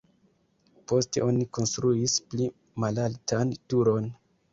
Poste oni konstruis pli malaltan turon.